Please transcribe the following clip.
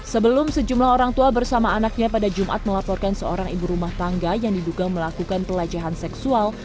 sebelum sejumlah orang tua bersama anaknya pada jumat melaporkan seorang ibu rumah tangga yang diduga melakukan pelecehan seksual